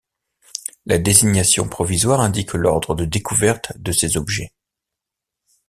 La désignation provisoire indique l'ordre de découverte de ces objets.